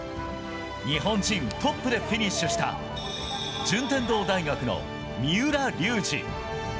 日本人トップでフィニッシュした順天堂大学の三浦龍司。